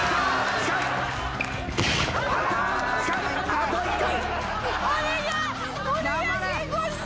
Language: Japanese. あと１回。